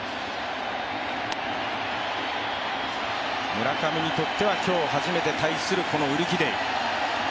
村上にとっては、今日初めて対するウルキディ。